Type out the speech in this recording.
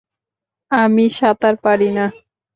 আমি সাঁতার পারি না!